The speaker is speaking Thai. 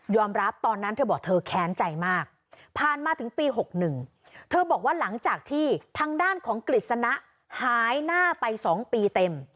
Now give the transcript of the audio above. รับตอนนั้นเธอบอกเธอแค้นใจมากผ่านมาถึงปี๖๑เธอบอกว่าหลังจากที่ทางด้านของกฤษณะหายหน้าไป๒ปีเต็ม